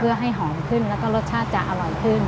เพื่อให้หอมขึ้นแล้วก็รสชาติจะอร่อยขึ้น